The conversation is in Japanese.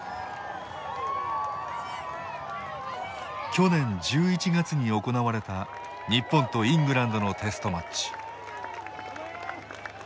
去年１１月におこなわれた日本とイングランドのテストマッチ。